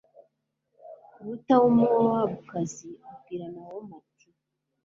ruta w'umumowabukazi abwira nawomi, ati